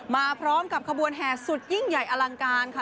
มาพร้อมกับขบวนแห่สุดยิ่งใหญ่อลังการค่ะ